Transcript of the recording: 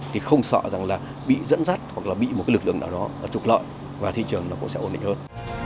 thì không sợ rằng là bị dẫn dắt hoặc là bị một cái lực lượng nào đó trục lợi và thị trường nó cũng sẽ ổn định hơn